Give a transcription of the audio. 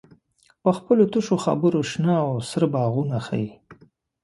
په خپلو تشو خبرو شنه او سره باغونه ښیې.